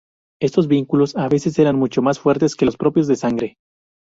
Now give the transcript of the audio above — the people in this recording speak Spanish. Estos vínculos a veces eran mucho más fuertes que los propios de sangre.